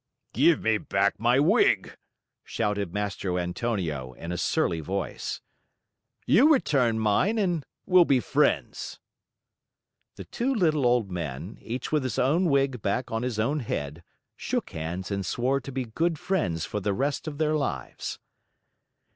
"Give me back my wig!" shouted Mastro Antonio in a surly voice. "You return mine and we'll be friends." The two little old men, each with his own wig back on his own head, shook hands and swore to be good friends for the rest of their lives.